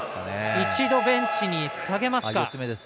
一度ベンチに下げますか。